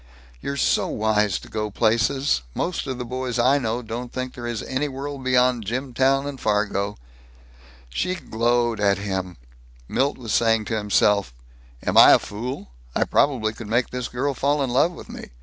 "You're so wise to go places. Most of the boys I know don't think there is any world beyond Jimtown and Fargo." She glowed at him. Milt was saying to himself, "Am I a fool? I probably could make this girl fall in love with me.